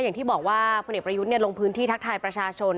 อย่างที่บอกว่าพลเอกประยุทธ์ลงพื้นที่ทักทายประชาชน